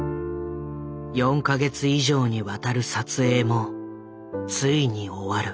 ４か月以上にわたる撮影もついに終わる。